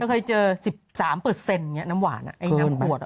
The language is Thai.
เคยเจอ๑๓น้ำหวานน้ำขวด